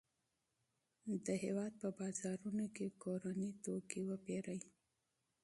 د هېواد په بازارونو کې کورني توکي وپیرئ.